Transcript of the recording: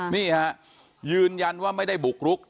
นี่ฮะยืนยันว่าไม่ได้บุกรุก